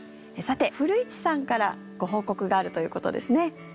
さて、古市さんからご報告があるということですね。